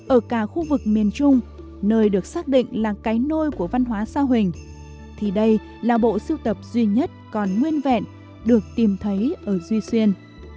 ở cả khu vực miền trung nơi được xác định là cái nôi của văn hóa sa huỳnh thì đây là bộ siêu tập duy nhất còn nguyên vẹn được tìm thấy ở duy xuyên